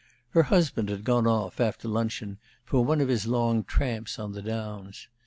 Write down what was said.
Her husband had gone off, after luncheon, for one of his long tramps on the downs.